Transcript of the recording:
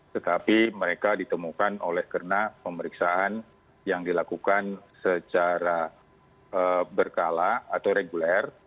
tetapi mereka ditemukan oleh kena pemeriksaan yang dilakukan secara berkala atau reguler